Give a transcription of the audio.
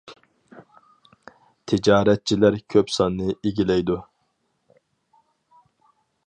تىجارەتچىلەر كۆپ ساننى ئىگىلەيدۇ.